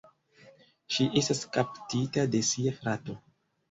Ŝi estas kaptita de sia frato.